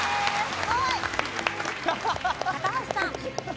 すごい！高橋さん。